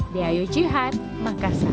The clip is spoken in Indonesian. di ayujihan makassar